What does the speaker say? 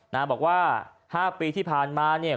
บอกว่า๕ปีที่ผ่านมาเนี่ย